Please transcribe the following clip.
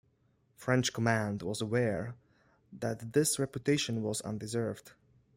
French command was aware that this reputation was undeserved.